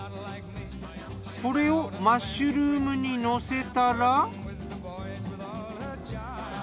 これをマッシュルームにのせたら。